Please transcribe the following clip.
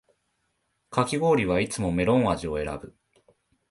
かき氷はいつもメロン味を選ぶ